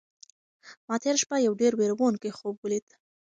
ما تېره شپه یو ډېر وېروونکی خوب ولید.